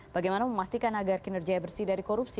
bagaimana memastikan agar kinerja bersih dari korupsi